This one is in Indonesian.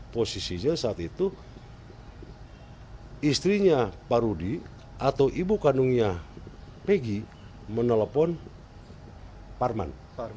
posisinya saat itu istrinya pak rudi atau ibu kandungnya pegi menelpon parman